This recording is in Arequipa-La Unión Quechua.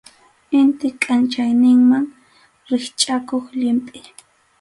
Intip kʼanchayninman rikchʼakuq llimpʼi.